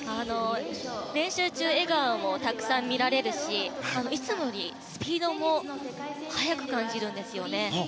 練習中笑顔もたくさん見られるしいつもよりスピードも速く感じるんですよね。